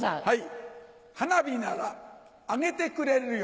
花火なら上げてくれるよ